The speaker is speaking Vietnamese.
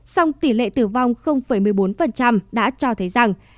song tỷ lệ tử vong một mươi bốn đã cho thấy rằng